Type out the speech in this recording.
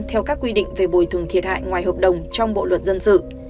theo các quy định về bồi thường thiệt hại ngoài hợp đồng trong bộ luật dân sự